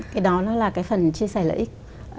cái đó nó là cái phần chia sẻ lợi ích